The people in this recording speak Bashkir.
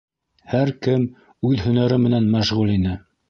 Һәр кем үҙ һөнәре менән мәшғүл ине.